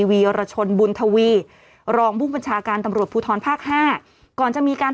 วีรชนบุญทวีรองผู้บัญชาการตำรวจภูทรภาคห้าก่อนจะมีการ